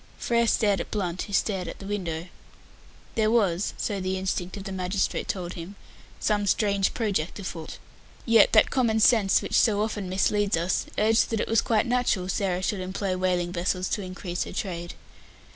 Frere stared at Blunt, who stared at the window. There was so the instinct of the magistrate told him some strange project afoot. Yet that common sense which so often misleads us, urged that it was quite natural Sarah should employ whaling vessels to increase her trade.